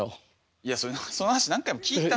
いやその話何回も聞いた。